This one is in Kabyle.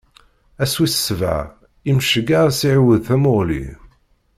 Ass wis sebɛa, Imceyyeɛ ad s-iɛiwed tamuɣli.